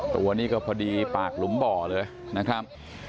ตัวนี้ก็พอดีปากหลุมบ่อเลยนะครับ